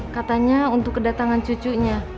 katanya untuk kedatangan cucunya